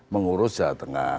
mengurus jawa tengah